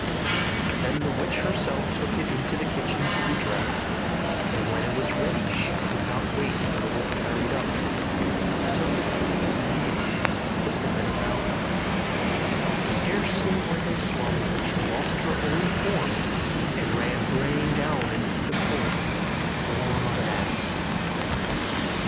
Then the witch herself took it into the kitchen to be dressed; and when it was ready she could not wait till it was carried up, but took a few leaves immediately and put them in her mouth, and scarcely were they swallowed when she lost her own form and ran braying down into the court in the form of an ass.